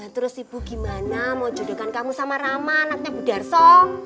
terus ibu gimana mau jodohkan kamu sama rama anaknya bu darso